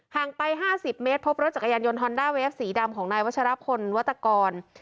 งไป๕๐เมตรพบรถจักรยานยนต์ฮอนด้าเวฟสีดำของนายวัชรพลวัตกร